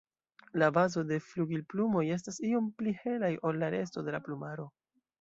La bazo de flugilplumoj estas iom pli helaj ol la resto de la plumaro.